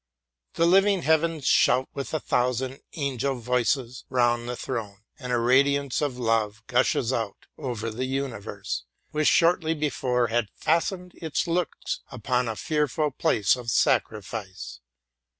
The living heavens shout with a thousand angel voices round the throne, and a radiance of love gushes out over the universe, which shortly before had fastened its looks upon a fearful place of sacrifice.